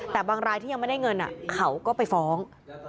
แต่บางรายที่ยังไม่ได้เงินเขาก็ไปฟ้อง